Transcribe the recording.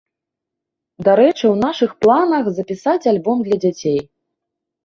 Дарэчы, у нашых планах, запісаць альбом для дзяцей.